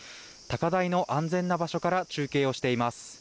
高台の安全な場所から中継をしています。